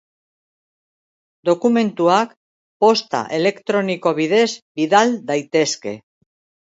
Dokumentuak posta elektroniko bidez bidal daitezke.